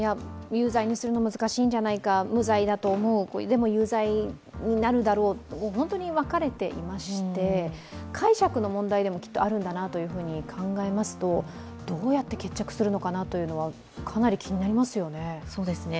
有罪にするのも難しいんじゃないか、無罪だと思う、でも有罪になるだろう、本当に分かれていまして、解釈の問題でもきっとあるんだなというふうに考えますとどうやって決着するのかなというのはかなり気になりますよね。